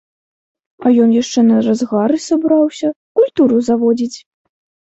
А ён яшчэ на разгары сабраўся, культуру заводзіць!